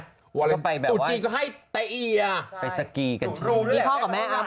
ก็ไปแบบว่าไปสกีกันใช่ไหมดูพ่อกับแม่อ้ำ